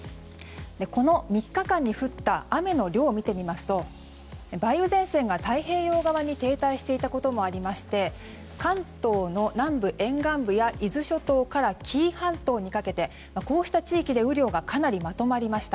この３日間に降った雨の量を見てみますと梅雨前線が太平洋側に停滞していたこともありまして関東の南部沿岸部や伊豆諸島から紀伊半島にかけてこうした地域で雨量がかなりまとまりました。